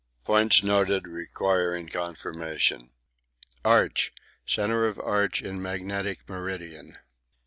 Points noticed requiring confirmation: Arch: centre of arch in magnetic meridian.